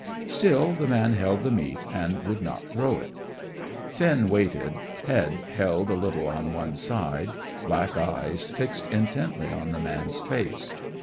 Still the man held the meat, and would not throw it. Finn waited, head held a little on one side, black eyes fixed intently on the man's face.